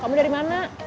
kamu dari mana